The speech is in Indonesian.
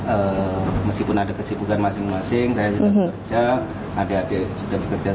ampun kaseput kalonta kacareta salengdengang